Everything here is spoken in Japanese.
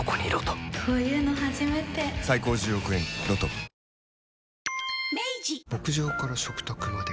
「ビオレ」牧場から食卓まで。